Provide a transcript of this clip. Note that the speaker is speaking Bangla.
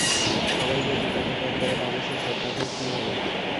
সবাই যদি তাকে ত্যাগ করে তাহলে সে শোধরাবে কীভাবে?